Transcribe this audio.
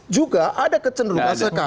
juga ada kecenderungan